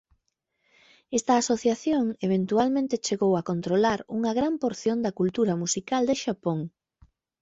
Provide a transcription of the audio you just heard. Esta asociación eventualmente chegou a controlar unha gran porción da cultura musical de Xapón.